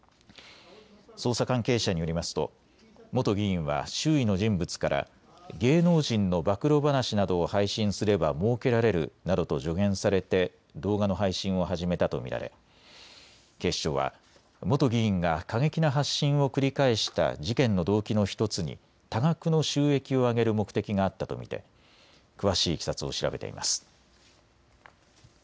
捜査関係者によりますと元議員は周囲の人物から芸能人の暴露話などを配信すればもうけられるなどと助言されて動画の配信を始めたと見られ警視庁は元議員が過激な発信を繰り返した事件の動機の１つに多額の収益を上げる目的があったと見て詳しいいきさつを調べています。